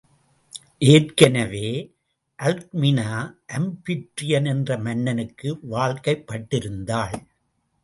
ஏற்கெனவே அல்க்மினா அம்பிட்ரியன் என்ற மன்னனுக்கு வாழ்க்கைப்பட்டிருந்தாள்.